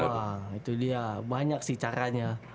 wah itu dia banyak sih caranya